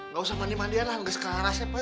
gak usah mandi mandian lah gak sekarang rasanya